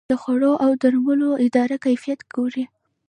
د خوړو او درملو اداره کیفیت ګوري